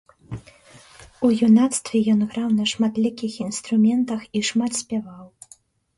У юнацтве ён граў на шматлікіх інструментах і шмат спяваў.